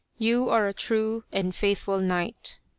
You are a true and faithful knight.